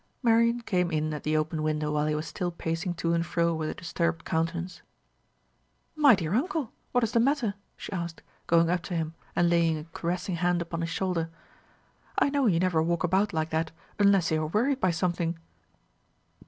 Marian came in at the open window while he was still pacing to and fro with a disturbed countenance. "My dear uncle, what is the matter?" she asked, going up to him and laying a caressing hand upon his shoulder. "I know you never walk about like that unless you are worried by something."